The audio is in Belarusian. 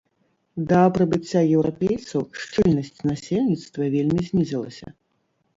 Да прыбыцця еўрапейцаў шчыльнасць насельніцтва вельмі знізілася.